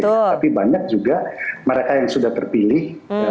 tapi banyak juga mereka yang sudah terpilih